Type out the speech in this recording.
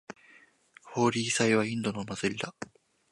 ホーリー祭はインドのお祭りだ。